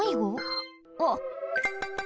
あっ。